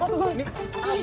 mau ke gue